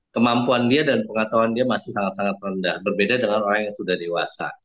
kemampuan dia dan pengetahuan dia masih sangat sangat rendah berbeda dengan orang yang sudah dewasa